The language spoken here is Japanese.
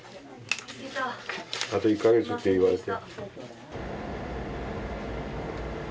あと１か月って言われて。